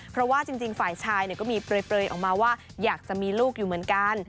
เพราะว่าจริงฝ่ายชายก็มีเปลยออกมาว่าอยากจะมีลูกอยู่เหมือนกัน